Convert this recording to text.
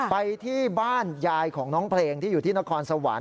ไปที่บ้านยายของน้องเพลงที่อยู่ที่นครสวรรค